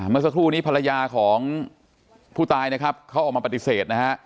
เมื่อสักครู่นี้ภรรยาของผู้ตายนะครับเขาออกมาปฏิเสธนะฮะ